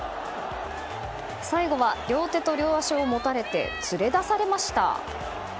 最後は両手と両足を持たれて連れ出されました。